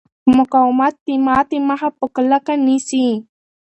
مقاومت د ماتې مخه په کلکه نیسي.